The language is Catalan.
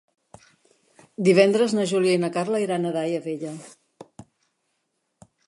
Divendres na Júlia i na Carla iran a Daia Vella.